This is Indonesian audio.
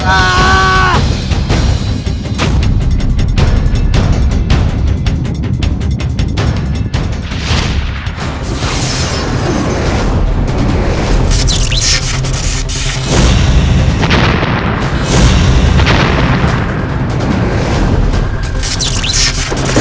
akmudnya kapal aku terhentikan